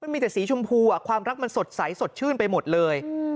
มีแต่สีชมพูความรักมันสดใสสดชื่นไปหมดเลย